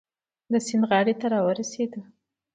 د سیند غاړې ته را ورسېدو.